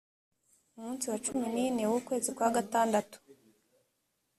umunsi wa cumi n ine w ukwezi kwa gatandatu